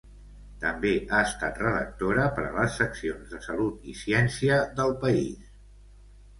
També ha estat redactora per a les seccions de salut i ciència d’El País.